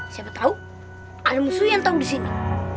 siapa tahu ada musuh yang tahu di sini